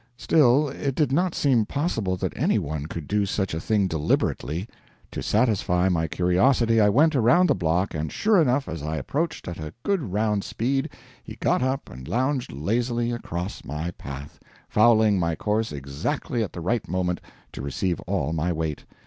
Still, it did not seem possible that any one could do such a thing deliberately. To satisfy my curiosity I went around the block, and, sure enough, as I approached, at a good round speed, he got up and lounged lazily across my path, fouling my course exactly at the right moment to receive all my weight.